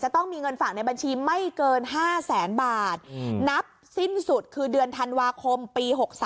ต้องมีเงินฝากในบัญชีไม่เกิน๕แสนบาทนับสิ้นสุดคือเดือนธันวาคมปี๖๓